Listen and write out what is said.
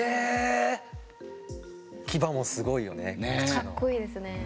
かっこいいですね。